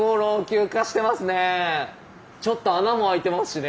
ちょっと穴も開いてますしね。